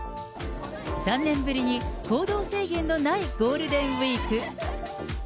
３年ぶりに行動制限のないゴールデンウィーク。